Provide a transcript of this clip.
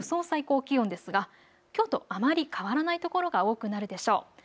最高気温ですがきょうとあまり変わらないところが多くなるでしょう。